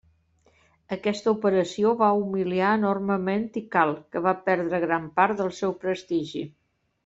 Aquesta operació va humiliar enormement Tikal, que va perdre gran part del seu prestigi.